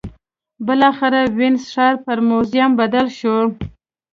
بالاخره وینز ښار پر موزیم بدل شو